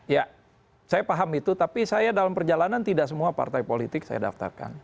ya saya paham itu tapi saya dalam perjalanan tidak semua partai politik saya daftarkan